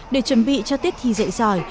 để chuẩn bị cho tiết thi dạy giỏi